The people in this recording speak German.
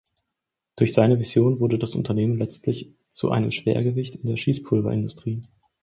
Durch seine Vision wurde das Unternehmen letzlich zu einem Schwergewicht in der Schießpulverindustrie.